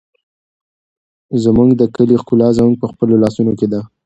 زموږ د کلي ښکلا زموږ په خپلو لاسونو کې ده.